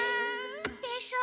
でしょ？